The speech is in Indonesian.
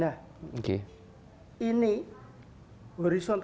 muri dua muka tujuh menkenal memiliki senyum bahan bermain webnya nasional